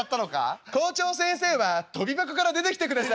「校長先生はとび箱から出てきてください」。